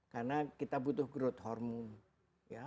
karena kita butuh growth hormone